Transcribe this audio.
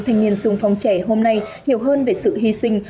thanh niên sung phong trẻ hôm nay hiểu hơn về sự hy sinh